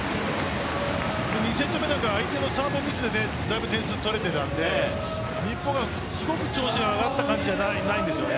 ２セット目は相手のサーブミスでだいぶ点数が取れていたので日本は、すごく調子が上がった感じではありません。